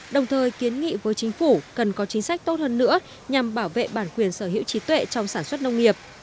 đồng thời kiến nghị với chính phủ cần có chính sách tốt hơn nữa nhằm bảo vệ bản quyền sở hữu trí tuệ trong sản xuất nông nghiệp